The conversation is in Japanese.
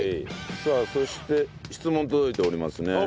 さあそして質問届いておりますね。